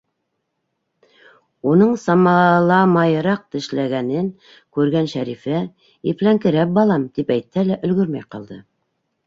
Уның самаламайыраҡ тешләгәнен күргән Шәрифә «Ипләңкерәп, балам» тип әйтһә лә, өлгөрмәй ҡалды.